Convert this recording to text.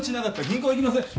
銀行行きません？